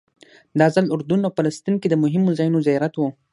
دا ځل اردن او فلسطین کې د مهمو ځایونو زیارت و.